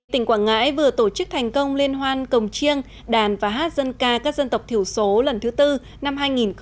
tỉnh quảng ngãi vừa tổ chức thành công liên hoan cổng chiêng đàn và hát dân ca các dân tộc thiểu số lần thứ tư năm hai nghìn một mươi chín